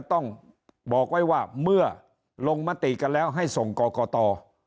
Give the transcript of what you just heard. ต้องบอกว่าว่าเมื่อลงมตรีกับแล้วให้ส่งก็ก็ก็